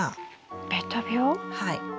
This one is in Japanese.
はい。